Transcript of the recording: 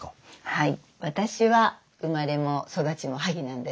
はい。